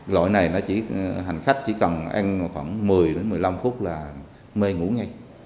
lỗi này hành khách chỉ cần anh khoảng một mươi một mươi năm phút là mê ngủ ngay